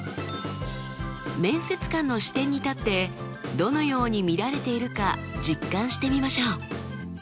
面接官の視点に立ってどのように見られているか実感してみましょう。